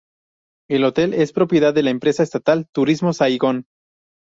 El hotel es propiedad de la empresa estatal Turismo Saigón.